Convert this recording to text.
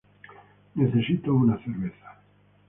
necesito una cerveza